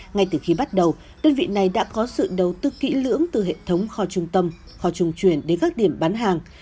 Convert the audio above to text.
ngay từ khi bắt đầu đơn vị này đã có sự đầu tư kỹ lưỡng từ hệ thống kho trung tâm kho trung truyền đến các điểm bán hàng